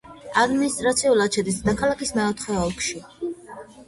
ადმინისტრაციულად შედის დედაქალაქის მეოთხე ოლქში.